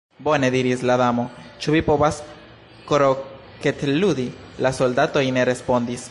"Bone," diris la Damo.—"Ĉu vi povas kroketludi?" La soldatoj ne respondis.